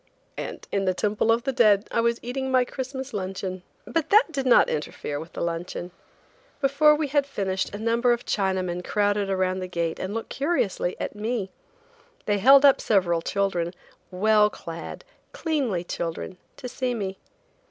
And in the Temple of the Dead I was eating my Christmas luncheon. But that did not interfere with the luncheon. Before we had finished a number of Chinaman crowded around the gate and looked curiously at me. They held up several children, well clad, cleanly children, to see me.